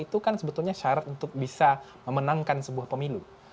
itu kan sebetulnya syarat untuk bisa memenangkan sebuah pemilu